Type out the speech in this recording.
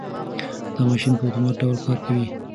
دا ماشین په اتومات ډول کار کوي.